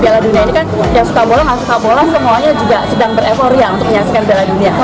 piala dunia ini kan yang suka bola gak suka bola semuanya juga sedang berevoria untuk menyaksikan piala dunia